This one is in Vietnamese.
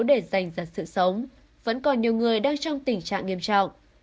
các bác sĩ đang chiến đấu để giành giật sự sống vẫn còn nhiều người đang trong tình trạng nghiêm trọng